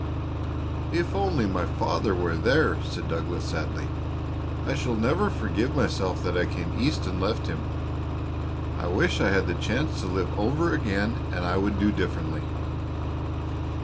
"If only my father were there!" said Douglas sadly. "I shall never forgive myself that I came East and left him. I wish I had the chance to live over again and I would do differently."